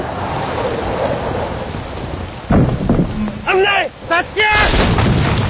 危ない！